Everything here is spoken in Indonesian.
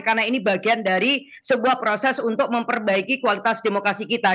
karena ini bagian dari sebuah proses untuk memperbaiki kualitas demokrasi kita